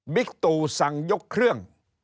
บิ๊กตูสั่งยกเครื่อง